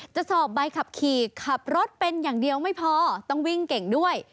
สอบใบขับขี่ขับรถเป็นอย่างเดียวไม่พอต้องวิ่งเก่งด้วย